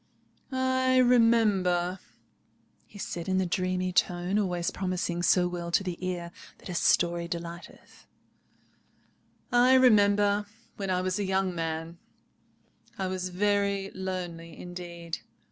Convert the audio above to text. "I remember," he said in the dreamy tone always promising so well to the ear that a story delighteth—"I remember, when I was a young man, I was very lonely indeed.